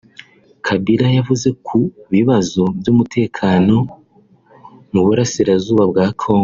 Kabila yavuze ku bibazo by’umutekano mu Burasirazuba bwa Congo